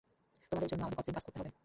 তোমাদের জন্য আমাকে কতদিন কাজ করতে হবে?